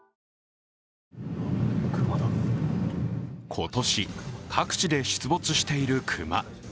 今年、各地で出没している熊。